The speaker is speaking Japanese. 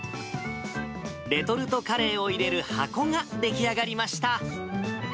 レトルトカレーを入れる箱が出来上がりました。